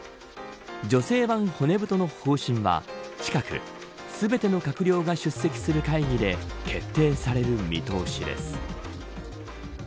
女性版骨太の方針は近く全ての閣僚が出席する会議で決定される見通しです。